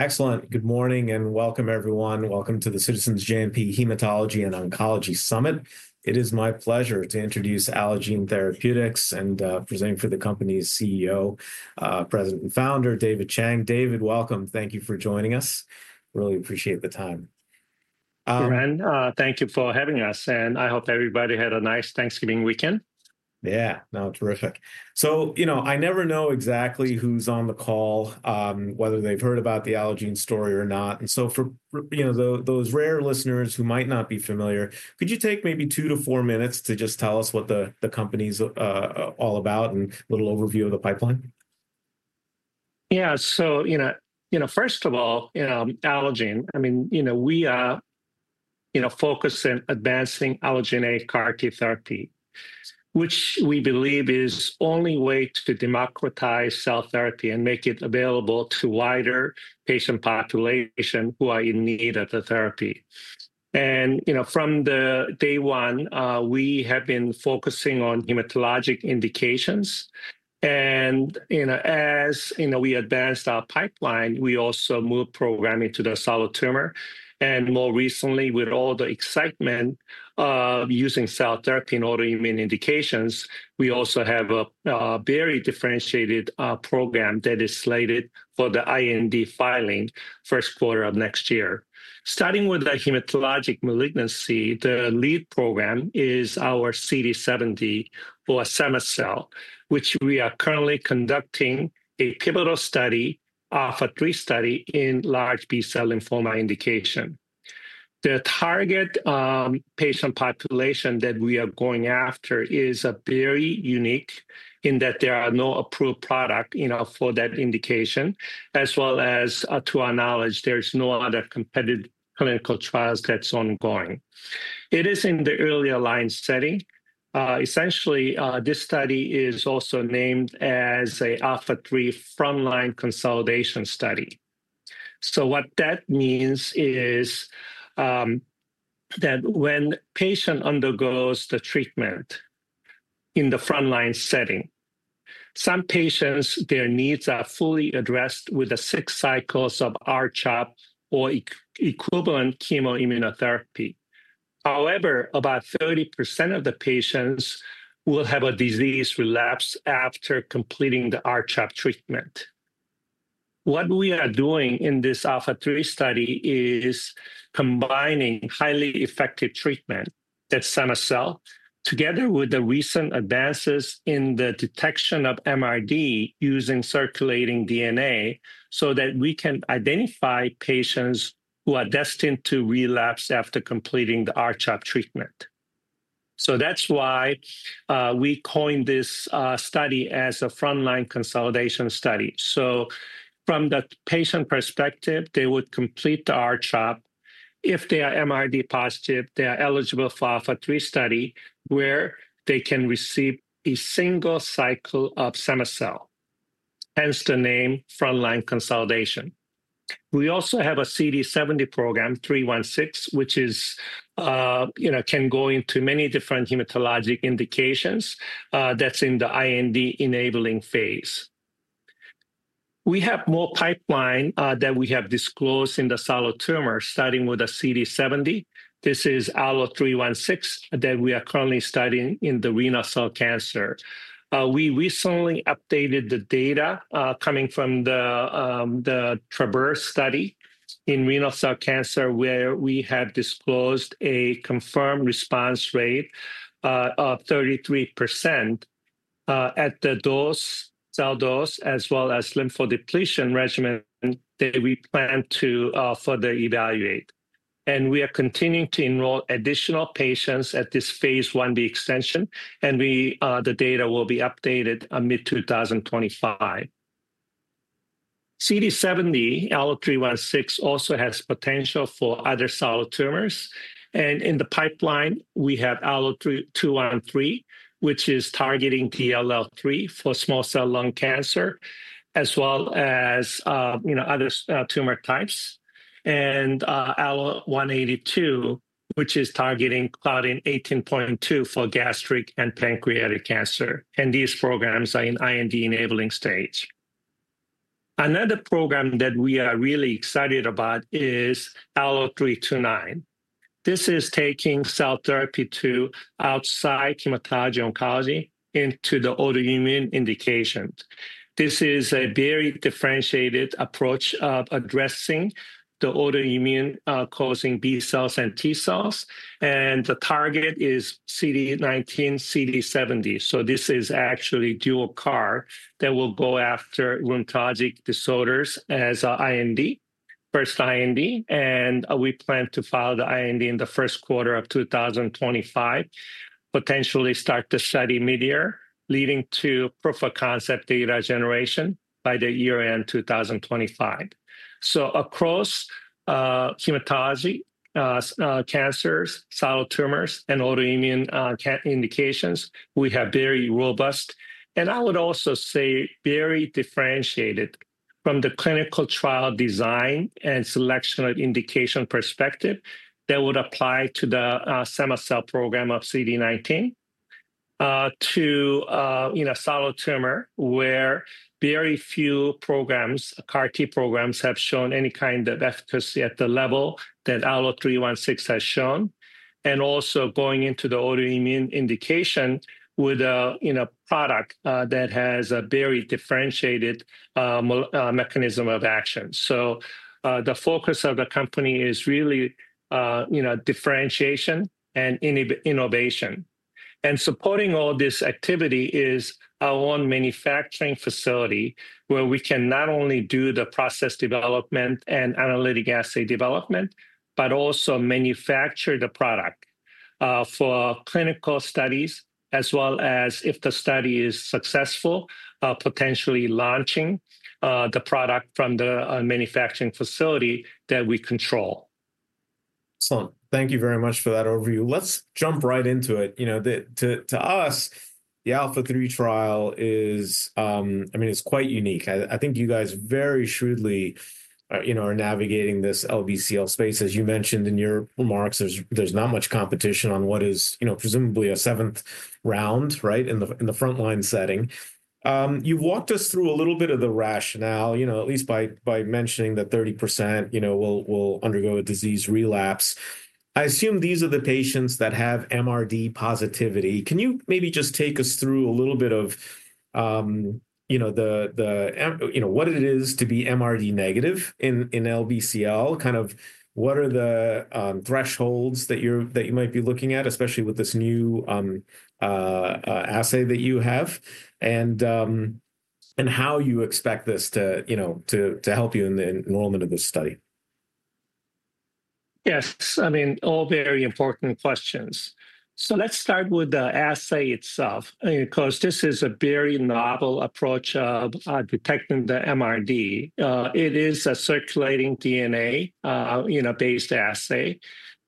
Excellent. Good morning and welcome, everyone. Welcome to the Citizens JMP Hematology and Oncology Summit. It is my pleasure to introduce Allogene Therapeutics and present for the company's CEO, President and Founder, David Chang. David, welcome. Thank you for joining us. Really appreciate the time. Thank you for having us, and I hope everybody had a nice Thanksgiving weekend. Yeah, no, terrific. So, you know, I never know exactly who's on the call, whether they've heard about the Allogene story or not. And so for, you know, those rare listeners who might not be familiar, could you take maybe two to four minutes to just tell us what the company's all about and a little overview of the pipeline? Yeah. So, you know, first of all, Allogene, I mean, you know, we are, you know, focusing on advancing Allogeneic CAR T therapy, which we believe is the only way to democratize cell therapy and make it available to a wider patient population who are in need of the therapy. And, you know, from day one, we have been focusing on hematologic indications. And, you know, as you know, we advanced our pipeline, we also moved programming to the solid tumor. And more recently, with all the excitement of using cell therapy and autoimmune indications, we also have a very differentiated program that is slated for the IND filing first quarter of next year. Starting with the hematologic malignancy, the lead program is cema-cel, which we are currently conducting a pivotal study, ALPHA3 study in large B-cell lymphoma indication. The target patient population that we are going after is very unique in that there are no approved products, you know, for that indication. As well as, to our knowledge, there's no other competitive clinical trials that's ongoing. It is in the early allogeneic setting. Essentially, this study is also named as an ALPHA3 frontline consolidation study. So what that means is that when a patient undergoes the treatment in the frontline setting, some patients, their needs are fully addressed with six cycles of R-CHOP or equivalent chemoimmunotherapy. However, about 30% of the patients will have a disease relapse after completing the R-CHOP treatment. What we are doing in this ALPHA3 study is combining highly effective treatment, that cema-cel, together with the recent advances in the detection of MRD using circulating DNA so that we can identify patients who are destined to relapse after completing the R-CHOP treatment. So that's why we coined this study as a frontline consolidation study. So from the patient perspective, they would complete the R-CHOP. If they are MRD positive, they are eligible for ALPHA3 study where they can receive a single cycle of cema-cel, hence the name frontline consolidation. We also have a CD70 program ALLO-316, which is, you know, can go into many different hematologic indications that's in the IND enabling phase. We have more pipeline that we have disclosed in the solid tumor starting with a CD70. This is ALLO-316 that we are currently studying in the renal cell cancer. We recently updated the data coming from the TRAVERSE study in renal cell cancer where we have disclosed a confirmed response rate of 33% at the dose, cell dose, as well as lymphodepletion regimen that we plan to further evaluate. We are continuing to enroll additional patients at this phase 1b extension, and the data will be updated mid-2025. CD70 ALLO-316 also has potential for other solid tumors. In the pipeline, we have ALLO-213, which is targeting DLL3 for small cell lung cancer, as well as, you know, other tumor types. ALLO-182, which is targeting Claudin 18.2 for gastric and pancreatic cancer. These programs are in IND-enabling stage. Another program that we are really excited about is ALLO-329. This is taking cell therapy to outside hematology oncology into the autoimmune indications. This is a very differentiated approach of addressing the autoimmune causing B cells and T cells. The target is CD19, CD70. So this is actually dual CAR that will go after rheumatologic disorders as an IND, first IND. And we plan to file the IND in the first quarter of 2025, potentially start the study mid-year, leading to proof of concept data generation by the year end 2025. So across hematology cancers, solid tumors, and autoimmune indications, we have very robust, and I would also say very differentiated from the clinical trial design and selection of indication perspective that would apply to the cema-cel program of CD19 to, you know, solid tumor where very few programs, CAR T programs have shown any kind of efficacy at the level that ALLO-316 has shown. And also going into the autoimmune indication with a, you know, product that has a very differentiated mechanism of action. So the focus of the company is really, you know, differentiation and innovation. Supporting all this activity is our own manufacturing facility where we can not only do the process development and analytic assay development, but also manufacture the product for clinical studies, as well as if the study is successful, potentially launching the product from the manufacturing facility that we control. Excellent. Thank you very much for that overview. Let's jump right into it. You know, to us, the ALPHA3 trial is, I mean, it's quite unique. I think you guys very shrewdly, you know, are navigating this LBCL space. As you mentioned in your remarks, there's not much competition on what is, you know, presumably a seventh round, right, in the frontline setting. You walked us through a little bit of the rationale, you know, at least by mentioning that 30%, you know, will undergo a disease relapse. I assume these are the patients that have MRD positivity. Can you maybe just take us through a little bit of, you know, the, you know, what it is to be MRD negative in LBCL? Kind of what are the thresholds that you might be looking at, especially with this new assay that you have and how you expect this to, you know, to help you in the enrollment of this study? Yes. I mean, all very important questions. So let's start with the assay itself, because this is a very novel approach of detecting the MRD. It is a circulating DNA, you know, based assay.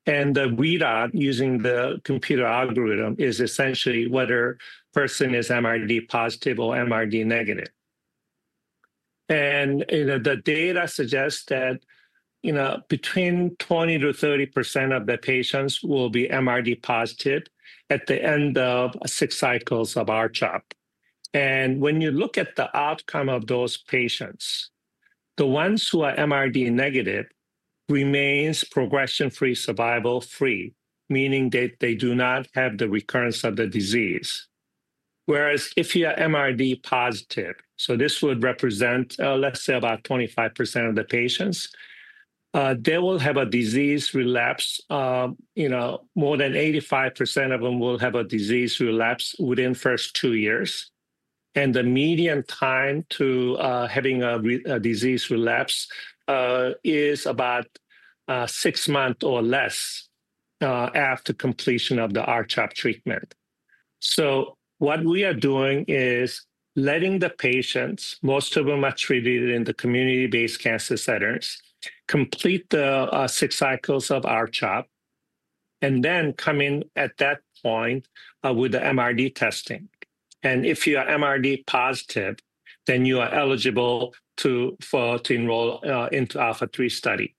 And the readout using the computer algorithm is essentially whether a person is MRD positive or MRD negative. And, you know, the data suggests that, you know, between 20%-30% of the patients will be MRD positive at the end of six cycles of R-CHOP. And when you look at the outcome of those patients, the ones who are MRD negative remain progression-free, survival-free, meaning that they do not have the recurrence of the disease. Whereas if you are MRD positive, so this would represent, let's say, about 25% of the patients, they will have a disease relapse. You know, more than 85% of them will have a disease relapse within the first two years. The median time to having a disease relapse is about six months or less after completion of the R-CHOP treatment. What we are doing is letting the patients, most of them are treated in the community-based cancer centers, complete the six cycles of R-CHOP and then come in at that point with the MRD testing. If you are MRD positive, then you are eligible to enroll into the ALPHA3 study.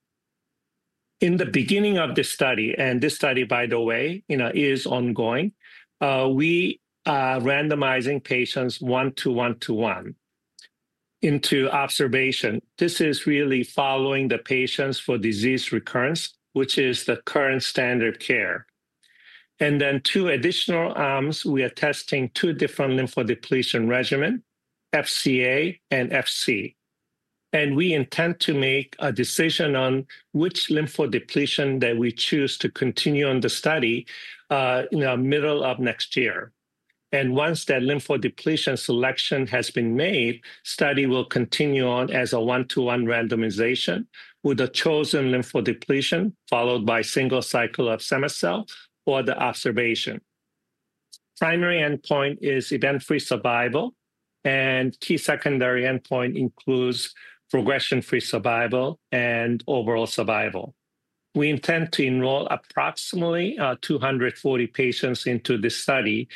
In the beginning of this study, and this study, by the way, you know, is ongoing, we are randomizing patients one to one to one into observation. This is really following the patients for disease recurrence, which is the current standard of care. Two additional arms, we are testing two different lymphodepletion regimen, FCA and FC. We intend to make a decision on which lymphodepletion that we choose to continue on the study in the middle of next year. Once that lymphodepletion selection has been made, the study will continue on as a one to one randomization with the chosen lymphodepletion followed by a single cycle of cema-cel or the observation. Primary endpoint is event-free survival, and the key secondary endpoint includes progression-free survival and overall survival. We intend to enroll approximately 240 patients into this study.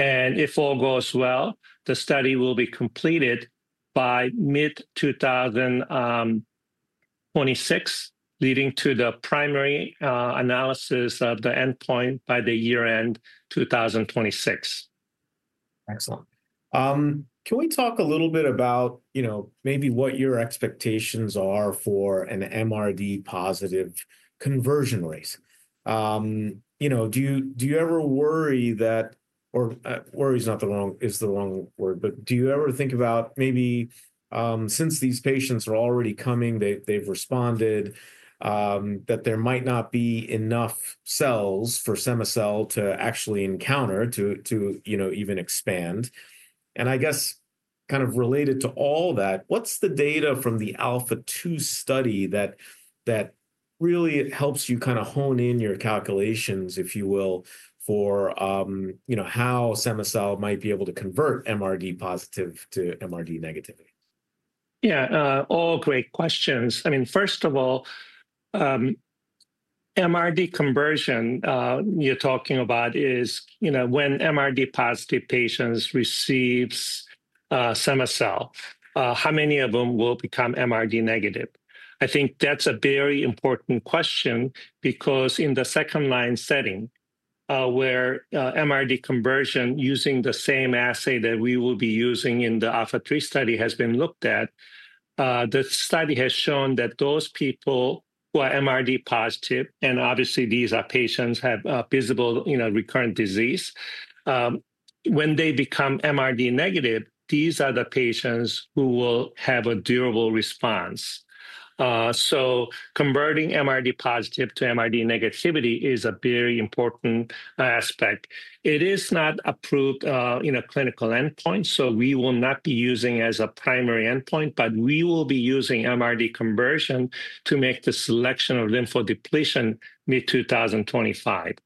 If all goes well, the study will be completed by mid-2026, leading to the primary analysis of the endpoint by the year end 2026. Excellent. Can we talk a little bit about, you know, maybe what your expectations are for an MRD positive conversion rate? You know, do you ever worry that, or "worry" is the wrong word, but do you ever think about maybe since these patients are already coming, they've responded, that there might not be enough cells for cema-cel to actually encounter to, you know, even expand? And I guess kind of related to all that, what's the data from the ALPHA2 study that really helps you kind of hone in your calculations, if you will, for, you know, how cema-cel might be able to convert MRD positive to MRD negative? Yeah, all great questions. I mean, first of all, MRD conversion you're talking about is, you know, when MRD positive patients receive cema-cel, how many of them will become MRD negative? I think that's a very important question because in the second line setting where MRD conversion using the same assay that we will be using in the ALPHA3 study has been looked at, the study has shown that those people who are MRD positive, and obviously these are patients who have visible, you know, recurrent disease, when they become MRD negative, these are the patients who will have a durable response. So converting MRD positive to MRD negativity is a very important aspect. It is not approved in a clinical endpoint, so we will not be using it as a primary endpoint, but we will be using MRD conversion to make the selection of lymphodepletion mid-2025.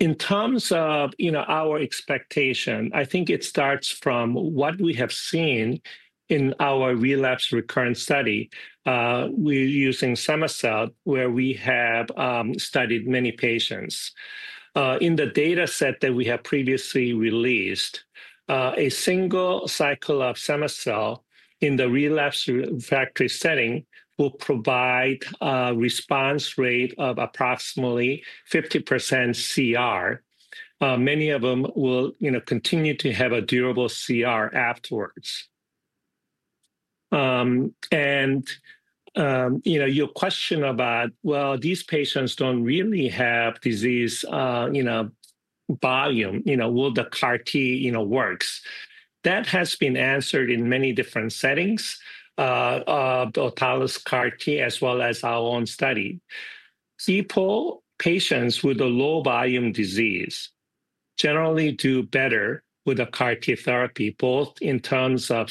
In terms of, you know, our expectation, I think it starts from what we have seen in our relapsed/refractory study. We're using cema-cel where we have studied many patients. In the data set that we have previously released, a single cycle of cema-cel in the relapsed/refractory setting will provide a response rate of approximately 50% CR. Many of them will, you know, continue to have a durable CR afterwards, and, you know, your question about, well, these patients don't really have disease, you know, volume, you know, will the CAR T, you know, work? That has been answered in many different settings of the autologous CAR T as well as our own study. People, patients with a low volume disease generally do better with the CAR T therapy, both in terms of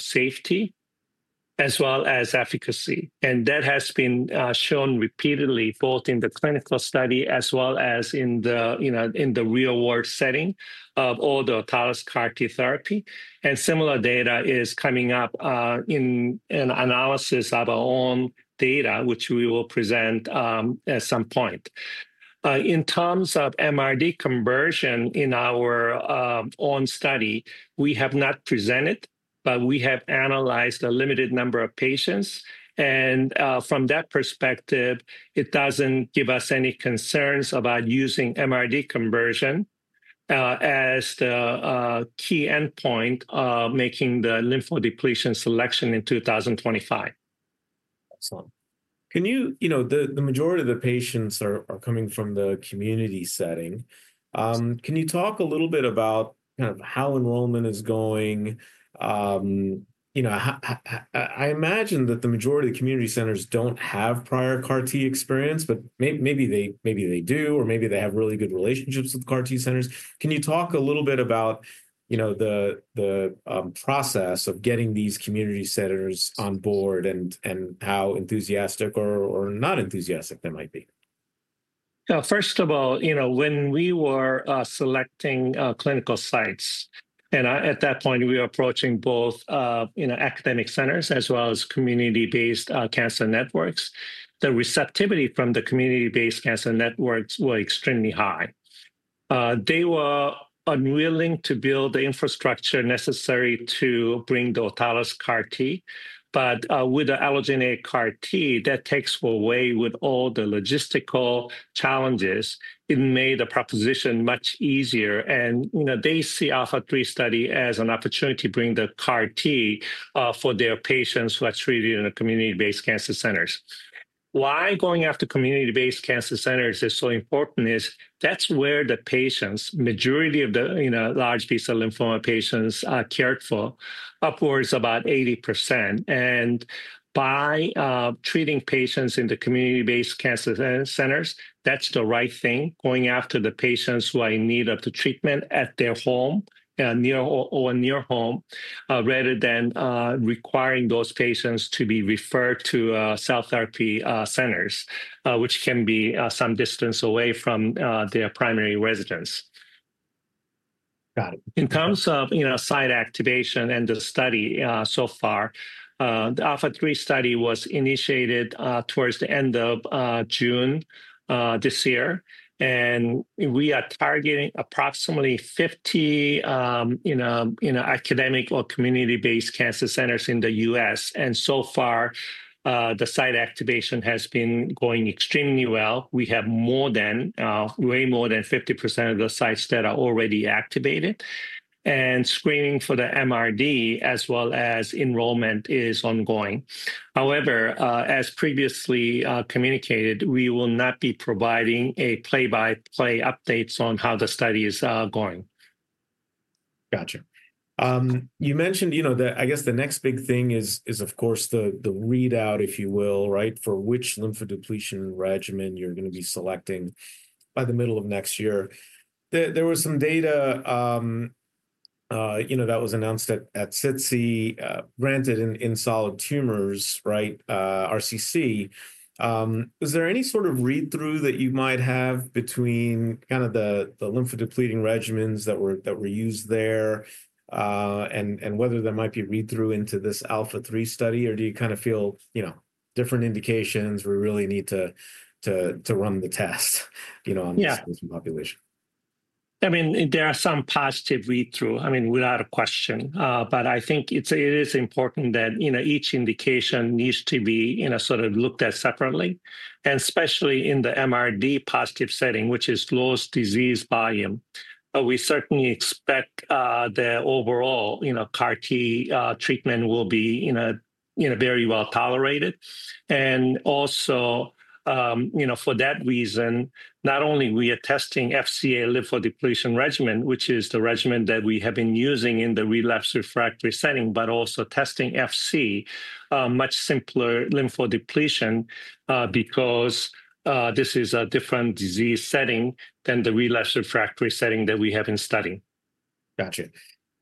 safety as well as efficacy. That has been shown repeatedly both in the clinical study as well as in the, you know, in the real-world setting of all the autologous CAR T therapy. Similar data is coming up in an analysis of our own data, which we will present at some point. In terms of MRD conversion in our own study, we have not presented, but we have analyzed a limited number of patients. From that perspective, it doesn't give us any concerns about using MRD conversion as the key endpoint of making the lymphodepletion selection in 2025. Excellent. Can you, you know, the majority of the patients are coming from the community setting. Can you talk a little bit about kind of how enrollment is going? You know, I imagine that the majority of the community centers don't have prior CAR T experience, but maybe they do, or maybe they have really good relationships with CAR T centers. Can you talk a little bit about, you know, the process of getting these community centers on board and how enthusiastic or not enthusiastic they might be? First of all, you know, when we were selecting clinical sites, and at that point, we were approaching both, you know, academic centers as well as community-based cancer networks, the receptivity from the community-based cancer networks was extremely high. They were unwilling to build the infrastructure necessary to bring the autologous CAR T. But with the allogeneic CAR T, that takes away with all the logistical challenges. It made the proposition much easier. And, you know, they see ALPHA3 study as an opportunity to bring the CAR T for their patients who are treated in the community-based cancer centers. Why going after community-based cancer centers is so important is that's where the patients, majority of the, you know, large B-cell lymphoma patients cared for, upwards about 80%. By treating patients in the community-based cancer centers, that's the right thing, going after the patients who are in need of the treatment at their home or near home, rather than requiring those patients to be referred to cell therapy centers, which can be some distance away from their primary residence. Got it. In terms of, you know, site activation and the study so far, the ALPHA3 study was initiated towards the end of June this year. And we are targeting approximately 50, you know, academic or community-based cancer centers in the U.S. And so far, the site activation has been going extremely well. We have more than, way more than 50% of the sites that are already activated. And screening for the MRD, as well as enrollment, is ongoing. However, as previously communicated, we will not be providing a play-by-play updates on how the study is going. Gotcha. You mentioned, you know, that I guess the next big thing is, of course, the readout, if you will, right, for which lymphodepletion regimen you're going to be selecting by the middle of next year. There was some data, you know, that was announced at SITC, granted in solid tumors, right, RCC. Is there any sort of read-through that you might have between kind of the lymphodepleting regimens that were used there and whether there might be a read-through into this ALPHA3 study? Or do you kind of feel, you know, different indications we really need to run the test, you know, on this population? Yeah. I mean, there are some positive read-through, I mean, without a question. But I think it is important that, you know, each indication needs to be, you know, sort of looked at separately, and especially in the MRD positive setting, which is lowest disease volume. But we certainly expect the overall, you know, CAR T treatment will be, you know, very well tolerated. And also, you know, for that reason, not only are we testing FCA lymphodepletion regimen, which is the regimen that we have been using in the relapse refractory setting, but also testing FC, much simpler lymphodepletion, because this is a different disease setting than the relapse refractory setting that we have been studying. Gotcha.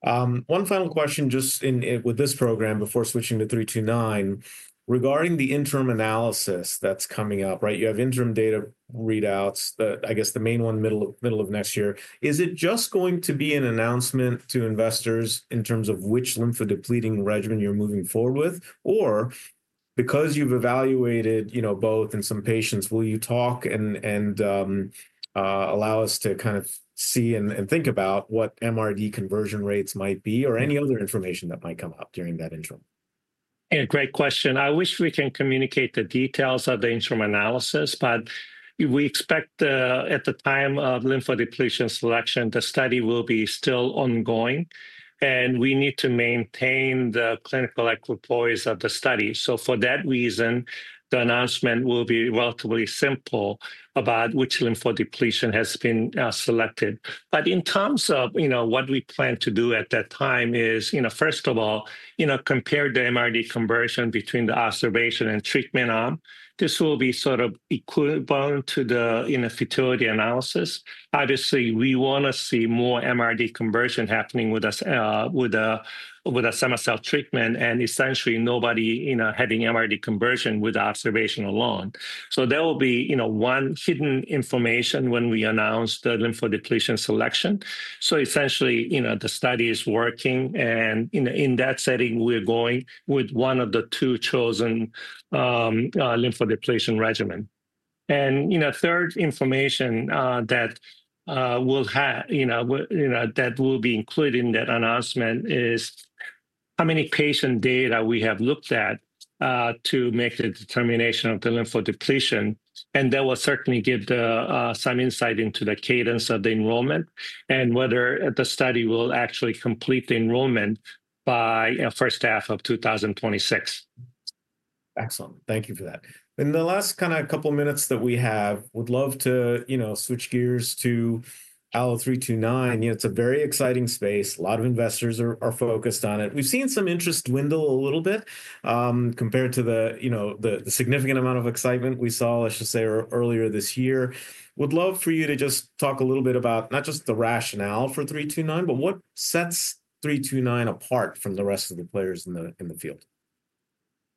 One final question just with this program before switching to 329, regarding the interim analysis that's coming up, right? You have interim data readouts, I guess the main one middle of next year. Is it just going to be an announcement to investors in terms of which lymphodepleting regimen you're moving forward with? Or because you've evaluated, you know, both in some patients, will you talk and allow us to kind of see and think about what MRD conversion rates might be or any other information that might come up during that interim? Yeah, great question. I wish we can communicate the details of the interim analysis, but we expect at the time of lymphodepletion selection, the study will be still ongoing, and we need to maintain the clinical equipoise of the study, so for that reason, the announcement will be relatively simple about which lymphodepletion has been selected, but in terms of, you know, what we plan to do at that time is, you know, first of all, you know, compare the MRD conversion between the observation and treatment arm. This will be sort of equivalent to the, you know, futility analysis. Obviously, we want to see more MRD conversion happening with a cema-cel treatment, and essentially, nobody, you know, having MRD conversion with observation alone, so there will be, you know, one hidden information when we announce the lymphodepletion selection, so essentially, you know, the study is working. In that setting, we're going with one of the two chosen lymphodepletion regimen. You know, third information that will have, you know, that will be included in that announcement is how many patient data we have looked at to make the determination of the lymphodepletion. That will certainly give some insight into the cadence of the enrollment and whether the study will actually complete the enrollment by the first half of 2026. Excellent. Thank you for that. In the last kind of couple of minutes that we have, would love to, you know, switch gears to ALLO-329. You know, it's a very exciting space. A lot of investors are focused on it. We've seen some interest dwindle a little bit compared to the, you know, the significant amount of excitement we saw, let's just say, earlier this year. Would love for you to just talk a little bit about not just the rationale for 329, but what sets 329 apart from the rest of the players in the field.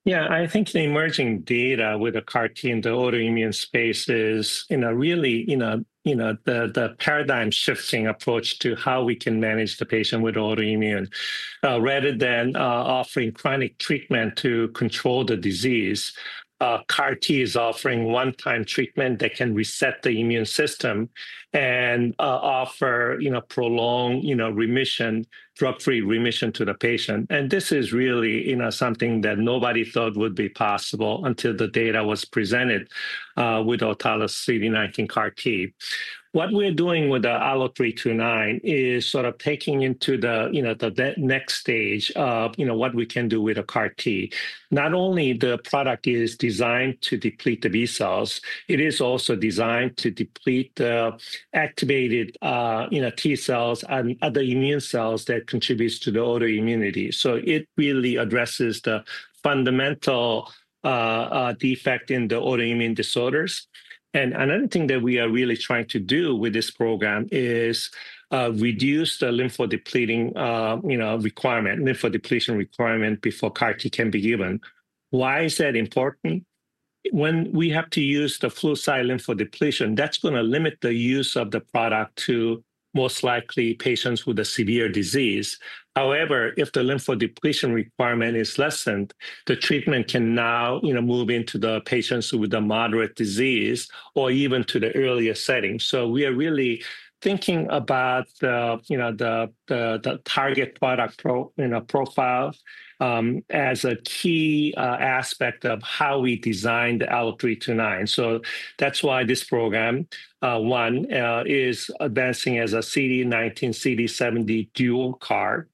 Yeah, I think the emerging data with the CAR T in the autoimmune space is, you know, really, you know, the paradigm-shifting approach to how we can manage the patient with autoimmune. Rather than offering chronic treatment to control the disease, CAR T is offering one-time treatment that can reset the immune system and offer, you know, prolonged, you know, remission, drug-free remission to the patient. And this is really, you know, something that nobody thought would be possible until the data was presented with autologous CD19 CAR T. What we're doing with the ALLO-329 is sort of taking into the, you know, the next stage of, you know, what we can do with the CAR T. Not only is the product designed to deplete the B cells, it is also designed to deplete the activated, you know, T cells and other immune cells that contribute to the autoimmunity. It really addresses the fundamental defect in the autoimmune disorders. Another thing that we are really trying to do with this program is reduce the lymphodepleting, you know, requirement, lymphodepletion requirement before CAR T can be given. Why is that important? When we have to use the FC lymphodepletion, that's going to limit the use of the product to most likely patients with a severe disease. However, if the lymphodepletion requirement is lessened, the treatment can now, you know, move into the patients with the moderate disease or even to the earlier setting. We are really thinking about the, you know, the target product profile as a key aspect of how we design the ALLO-329. That's why this program, one, is advancing as a CD19, CD70 dual CAR.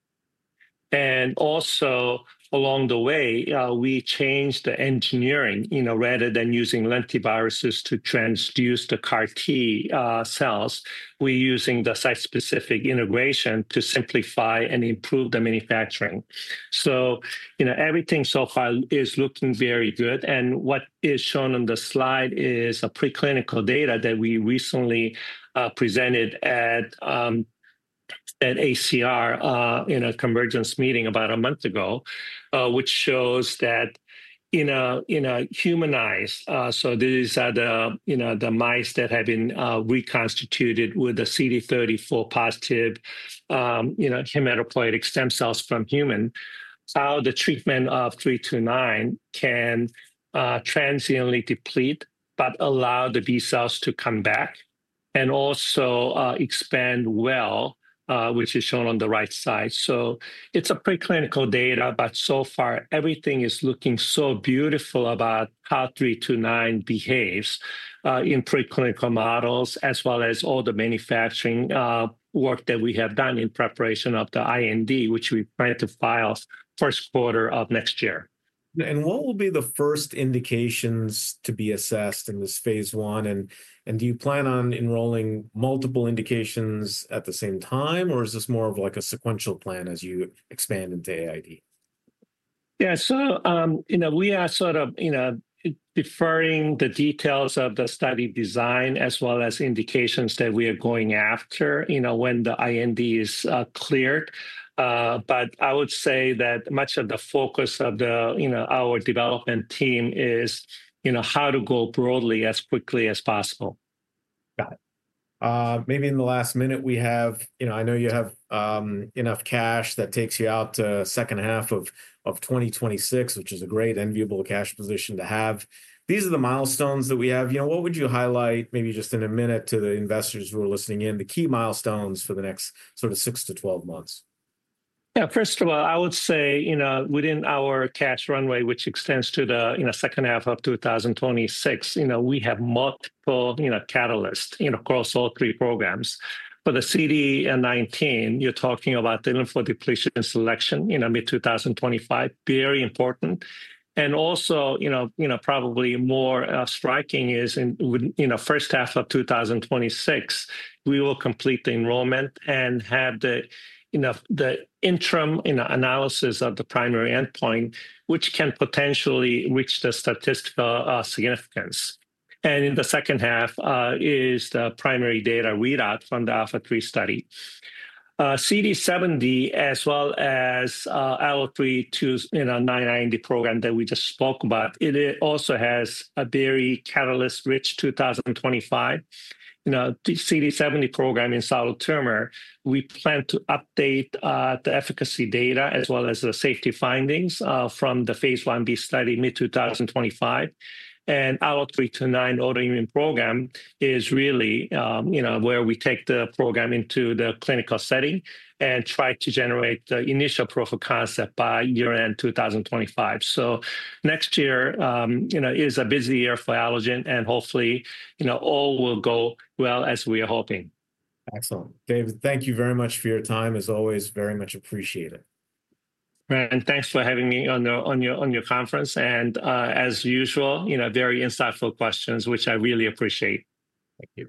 And also along the way, we changed the engineering, you know, rather than using lentiviruses to transduce the CAR T cells, we're using the site-specific integration to simplify and improve the manufacturing, so you know, everything so far is looking very good, and what is shown on the slide is preclinical data that we recently presented at ACR Convergence meeting about a month ago, which shows that in a humanized, so these are the, you know, the mice that have been reconstituted with the CD34-positive, you know, hematopoietic stem cells from human, how the treatment of 329 can transiently deplete, but allow the B cells to come back and also expand well, which is shown on the right side. It's preclinical data, but so far, everything is looking so beautiful about how 329 behaves in preclinical models, as well as all the manufacturing work that we have done in preparation of the IND, which we plan to file first quarter of next year. What will be the first indications to be assessed in this phase one? And do you plan on enrolling multiple indications at the same time? Or is this more of like a sequential plan as you expand into AID? Yeah, so, you know, we are sort of, you know, deferring the details of the study design, as well as indications that we are going after, you know, when the IND is cleared. But I would say that much of the focus of the, you know, our development team is, you know, how to go broadly as quickly as possible. Got it. Maybe in the last minute, we have, you know, I know you have enough cash that takes you out to the second half of 2026, which is a great enviable cash position to have. These are the milestones that we have. You know, what would you highlight, maybe just in a minute, to the investors who are listening in, the key milestones for the next sort of 6 to 12 months? Yeah, first of all, I would say, you know, within our cash runway, which extends to the, you know, second half of 2026, you know, we have multiple, you know, catalysts, you know, across all three programs. For the CD19, you're talking about the lymphodepletion selection in mid-2025, very important. Also, you know, probably more striking is in, you know, first half of 2026, we will complete the enrollment and have the, you know, the interim, you know, analysis of the primary endpoint, which can potentially reach the statistical significance. In the second half is the primary data readout from the ALPHA3 study. CD70, as well as ALLO-329 IND program that we just spoke about, it also has a very catalyst-rich 2025. You know, the CD70 program in solid tumor, we plan to update the efficacy data as well as the safety findings from the phase 1b study mid-2025. And ALLO-329 autoimmune program is really, you know, where we take the program into the clinical setting and try to generate the initial proof of concept by year-end 2025. So next year, you know, is a busy year for Allogene, and hopefully, you know, all will go well as we are hoping. Excellent. David, thank you very much for your time. As always, very much appreciated. Thanks for having me on your conference. As usual, you know, very insightful questions, which I really appreciate. Thank you.